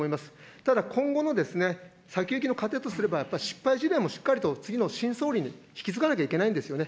ただ、今後の先行きの糧とすれば、やっぱり失敗事例としっかりと、次の新総理に引き継がなきゃいけないんですよね。